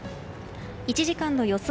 １時間の予想